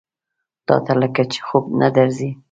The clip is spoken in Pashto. تاته لکه چې خوب نه درځي؟